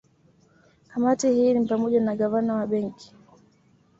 Kamati hii ni pamoja na Gavana wa Benki